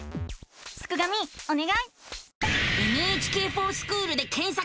すくがミおねがい！